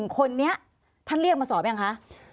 คนนี้ท่านเรียกมาสอบยังคะ